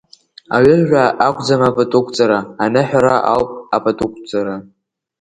Аҩыжәра акәӡам апатуқәҵара, аныҳәара ауп апатуқәҵара.